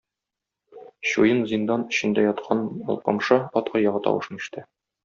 Чуен зиндан эчендә яткан Алпамша ат аягы тавышын ишетә.